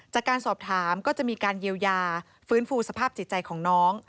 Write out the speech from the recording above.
จากการสอบถามก็จะมีการเยียวยาฟื้นฟูสภาพจิตใจของน้อง